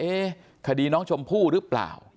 คดีน้องชมพู่หรือเปล่า